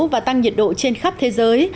và tăng nhiệt độ trên khắp thế giới